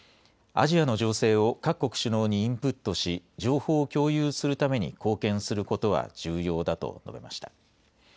アジアの情勢を各国首脳にインプットし情報を共有するために貢献することは重要だと述べました。